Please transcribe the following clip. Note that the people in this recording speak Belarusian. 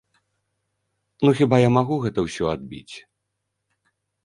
Ну хіба я магу гэта ўсё адбіць?